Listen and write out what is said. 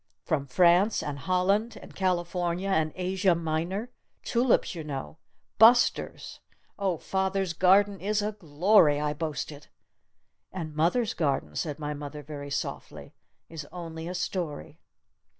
From France! And Holland! And California! And Asia Minor! Tulips, you know. Buster's! Oh, father's garden is a glory!" I boasted. "And mother's garden," said my mother very softly, "is only a story."